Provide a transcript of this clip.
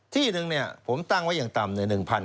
ที่หนึ่งเนี่ยผมตั้งไว้อย่างต่ำเนี่ย